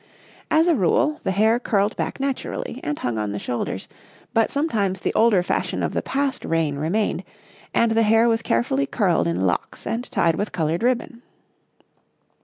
As a rule, the hair curled back naturally, and hung on the shoulders, but sometimes the older fashion of the past reign remained, and the hair was carefully curled in locks and tied with coloured ribbon.